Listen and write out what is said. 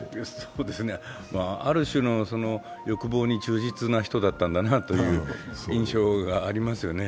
ある種の欲望に忠実な人だったんだなという印象がありますよね。